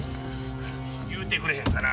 言うてくれへんかな？